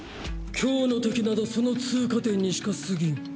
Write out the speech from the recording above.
今日の敵などその通過点にしかすぎん。